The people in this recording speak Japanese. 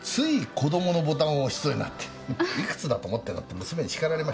「子供」のボタンを押しそうになって「いくつだと思ってるの」って娘にしかられましたよ。